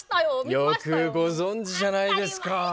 よくご存じじゃないですか。